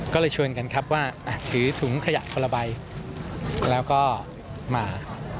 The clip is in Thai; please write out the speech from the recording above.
ก็เลยชวนกันครับว่าถือถุงขยะคนละใบแล้วก็มา